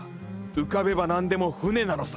浮かべば何でも舟なのさ。